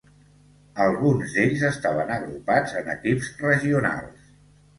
Alguns d'ells estaven agrupats en equips regionals.